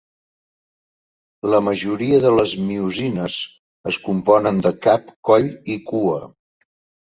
La majoria de les miosines es componen de cap, coll i cua.